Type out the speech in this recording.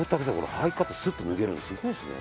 ハイカットすって脱げるんですね。